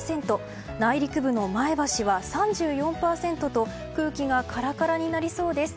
内陸部の前橋は３４％と空気がカラカラになりそうです。